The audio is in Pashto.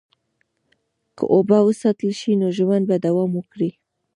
که اوبه وساتل شي، نو ژوند به دوام وکړي.